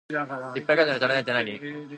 いっぱい書いたのに足らないってなに？